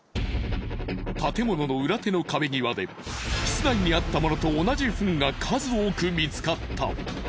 建物の裏手の壁際で室内にあったものと同じフンが数多く見つかった。